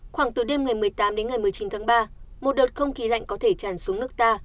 khoảng từ đêm ngày một mươi tám đến ngày một mươi chín tháng ba một đợt không khí lạnh có thể tràn xuống nước ta